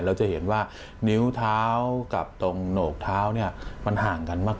เราจะเห็นว่านิ้วเท้ากับตรงโหนกเท้าเนี่ยมันห่างกันมาก